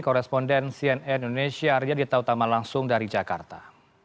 korresponden cnn indonesia arya di tautama langsung dari jakarta